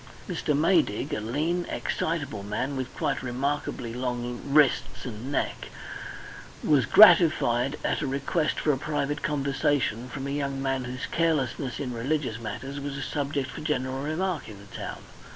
Mr. Maydig, a lean, excitable man with quite remarkably long wrists and neck, was gratified at a request for a private conversation from a young man whose carelessness in religious matters was a subject for general remark in the town.